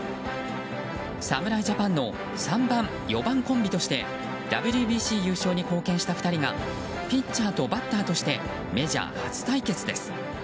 侍ジャパンの３番４番コンビとしてＷＢＣ優勝に貢献した２人がピッチャーとバッターとしてメジャー初対決です。